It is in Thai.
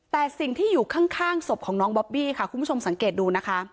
แต่สิ่งที่อยู่ข้างศพของน้องบอบบี้ค่ะคุณผู้ชมสังเกตดูนะคะ